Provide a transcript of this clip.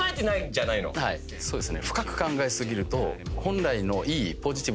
そうですね。